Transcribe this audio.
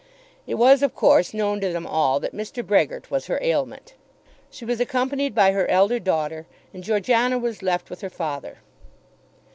It was of course known to them all that Mr. Brehgert was her ailment. She was accompanied by her elder daughter, and Georgiana was left with her father.